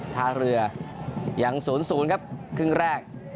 ท่าเรือยัง๐๐ครับครึ่งแรก